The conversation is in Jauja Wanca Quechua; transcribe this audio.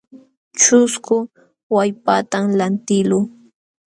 Ćhusku wallpatam lantiqluu.